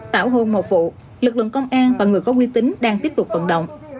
tảo hôn một vụ lực lượng công an và người có quy tính đang tiếp tục vận động